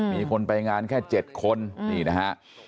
มีคนไปงานแค่๗คนนี่นะฮะ